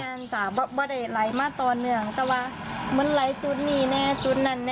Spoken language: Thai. ใช่จ้ะค่ะไม่ได้ไล่มาตอนหนึ่งแต่ว่ามันไล่จุ้นหนึ่งไม่ง่ายต่อ